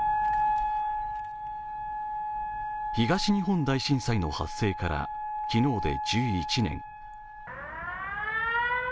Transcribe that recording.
東日本大震災の発生から昨日で１１年。